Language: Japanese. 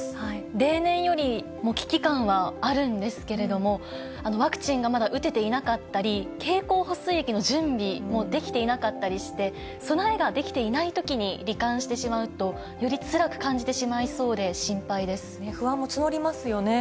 例年よりも危機感はあるんですけれども、ワクチンがまだ打てていなかったり、経口補水液の準備もできていなかったりして、備えができていないときにり患してしまうと、よりつらく感じてしまいそうで、不安も募りますよね。